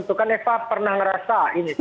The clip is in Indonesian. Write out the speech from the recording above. itu kan eva pernah ngerasa ini